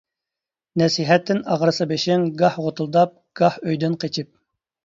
نەسىھەتتىن ئاغرىسا بېشىڭ، گاھ غوتۇلداپ گاھ ئۆيدىن قېچىپ.